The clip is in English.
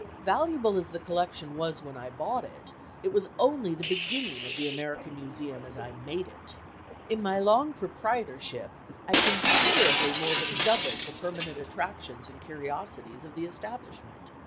Valuable as the collection was when I bought it, it was only the beginning of the American Museum as I made it. In my long proprietorship I considerably more than doubled the permanent attractions and curiosities of the establishment.